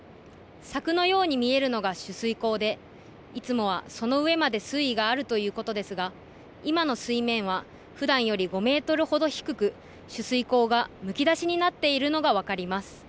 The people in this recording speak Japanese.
柵のように見えるのが取水口でいつもはその上まで水位があるということですが今の水面はふだんより５メートルほど低く取水口がむき出しになっているのが分かります。